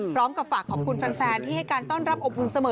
พร้อมกับฝากขอบคุณแฟนที่ให้การต้อนรับอบอุ่นเสมอ